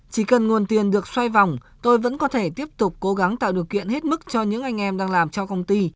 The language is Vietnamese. chỉ cần nguồn tiền được xoay vòng tôi vẫn có thể tiếp tục cố gắng tạo điều kiện hết mức cho những anh em đang làm cho công ty